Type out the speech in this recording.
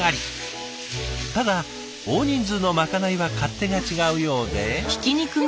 ただ大人数のまかないは勝手が違うようで。